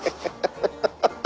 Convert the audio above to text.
ハハハハ。